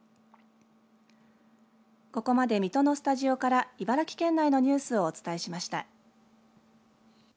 ここまで水戸のスタジオから茨城県内のニュースをお伝えしました。